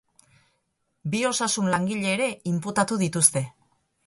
Bi osasun-langile ere inputatu dituzte.